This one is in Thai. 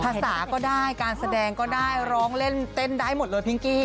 ภาษาก็ได้การแสดงก็ได้ร้องเล่นเต้นได้หมดเลยพิงกี้